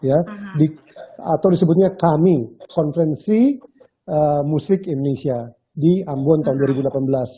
atau disebutnya kami konferensi musik indonesia di ambon tahun dua ribu delapan belas